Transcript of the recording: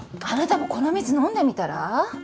あなたもこの水飲んでみたら？